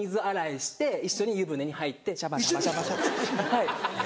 はい。